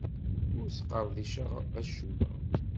Ur sqerdiceɣ acemma.